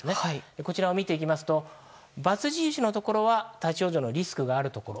こちらを見ていきますと×印のところは立ち往生のリスクがあるところ。